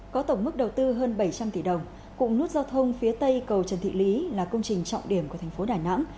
có tổng mức đầu tư hơn bảy trăm linh tỷ đồng cùng nút giao thông phía tây cầu trần thị lý là công trình trọng điểm của thành phố đà nẵng